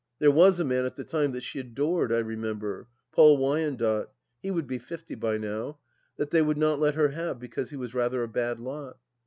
There was a man, at the time, that she adored, I remember — Paul Wyandotte ; he would be fifty by now — that they would not let her have because he was rather a bad lot.